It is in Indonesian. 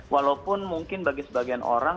walaupun mungkin bagi sebagian orang